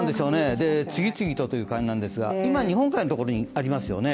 次々とという感じなんですが、今これが日本海側にありますよね。